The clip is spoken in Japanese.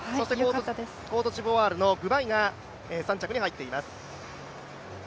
コートジボワールのグバイが３着に入っています。